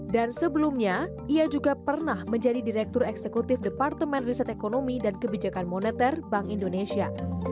dan sebelumnya ia juga pernah menjadi direktur eksekutif departemen riset ekonomi dan kebijakan moneter bank indonesia